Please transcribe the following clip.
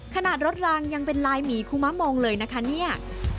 ขนาดรถรางยังเป็นลายหมีคุมะมองเลยนะคะเนี่ย